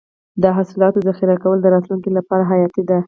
د حاصلاتو ذخیره کول د راتلونکي لپاره حیاتي دي.